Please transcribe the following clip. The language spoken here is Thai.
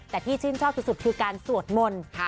แต่ที่ชื่นชอบสุดคือการสวดมนต์